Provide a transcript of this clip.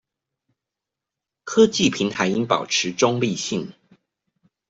科技平台應保持中立性